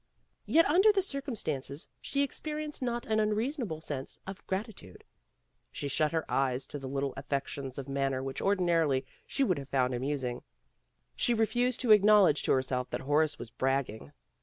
Yet under the circumstances she ex perienced a not unreasonable sense of grati tude. She shut her eyes to the little affecta AN AFTERNOON CALL 67 tions of manner which ordinarily she would have found amusing. She refused to acknowl edge to herself that Horace was bragging.